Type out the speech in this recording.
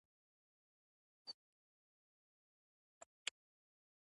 خلیل احمد هند ته ستون شو.